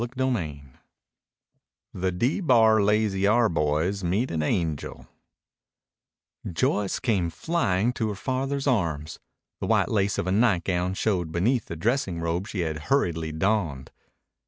CHAPTER VIII THE D BAR LAZY R BOYS MEET AN ANGEL Joyce came flying to her father's arms. The white lace of a nightgown showed beneath the dressing robe she had hurriedly donned.